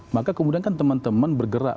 maka kemudian kan teman teman bergerak